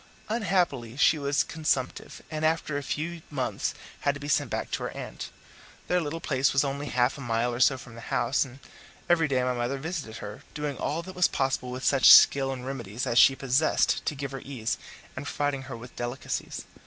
Unhappily she was consumptive, and after a few months had to be sent back to her aunt. Their little place was only half a mile or so from the house, and every day my mother visited her, doing all that was possible with such skill and remedies as she possessed to give her ease, and providing her with delicacies.